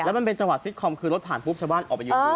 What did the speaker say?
แล้วมันเป็นจังหวัดซิสคอมคือรถผ่านปุ๊บชาวบ้านออกไปอยู่